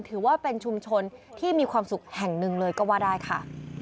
ถือว่าเป็นชุมชนที่มีความสุขแห่งหนึ่งเลยก็ว่าได้ค่ะ